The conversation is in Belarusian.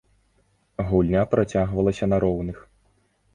Гульня працягвалася на роўных.